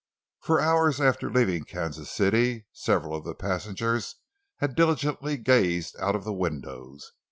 For hours after leaving Kansas City, several of the passengers had diligently gazed out of the windows.